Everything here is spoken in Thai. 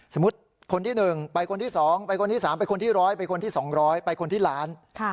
สมมุติคนที่หนึ่งไปคนที่สองไปคนที่สามไปคนที่ร้อยไปคนที่สองร้อยไปคนที่ล้าน